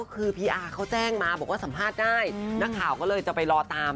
คือพี่อาร์เขาแจ้งมาบอกว่าสัมภาษณ์ได้นักข่าวก็เลยจะไปรอตาม